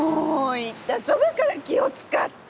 言ったそばから気を遣って。